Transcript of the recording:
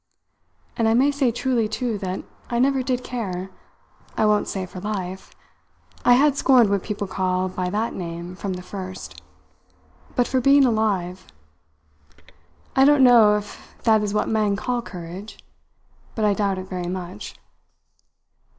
And I may say truly, too, that I never did care, I won't say for life I had scorned what people call by that name from the first but for being alive. I don't know if that is what men call courage, but I doubt it very much."